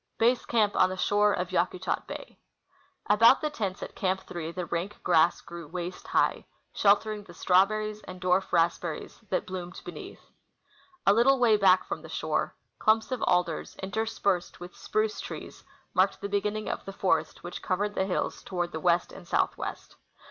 Base CIamp on the Shore of Yakutat Bav. About ^the tents at Camp 8 the rank grass grew waist high, sheltering the strawberries and dwarf raspberries that l^loomed beneath. A little Avay back from the shore, clumps of alders, in terspersed with spruce trees, marked the beginning of the forest Avhich covered the hills toward the west and southwest.